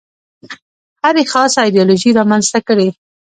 هرې خاصه ایدیالوژي رامنځته کړې.